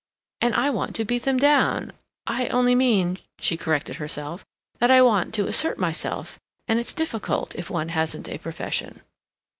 And I want to beat them down—I only mean," she corrected herself, "that I want to assert myself, and it's difficult, if one hasn't a profession."